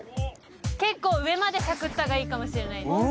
結構上までしゃくったほうがいいかもしれないです